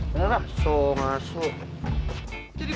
jadi babes yang duduk